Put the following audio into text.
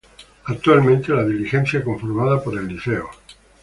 Actualmente la diligencia conformada por el Lic.